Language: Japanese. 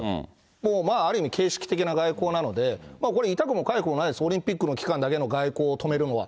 もうまあ、ある意味形式的な外交なので、これは痛くもかゆくもないです、オリンピックの期間だけの外交を止めるのは。